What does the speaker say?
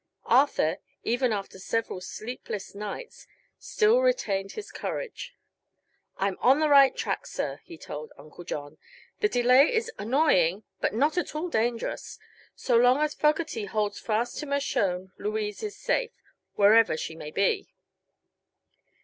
Arthur, even after several sleepless nights, still retained his courage. "I'm on the right track, sir," he told Uncle John. "The delay is annoying, but not at all dangerous. So long as Fogerty holds fast to Mershone Louise is safe, wherever she may be."